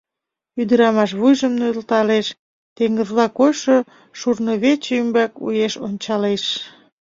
Ӱдырамаш вуйжым нӧлталеш, теҥызла койшо шурнывече ӱмбак уэш ончалеш.